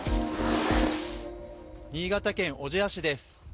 新潟県小千谷市です。